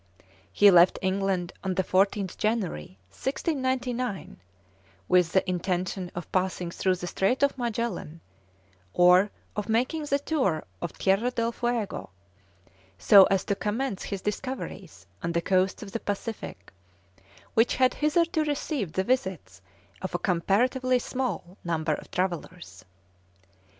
He left England on the 14th January, 1699, with the intention of passing through the Strait of Magellan, or of making the tour of Tierra del Fuego, so as to commence his discoveries on the coasts of the Pacific, which had hitherto received the visits of a comparatively small number of travellers.